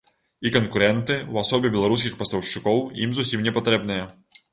І канкурэнты ў асобе беларускіх пастаўшчыкоў ім зусім не патрэбныя.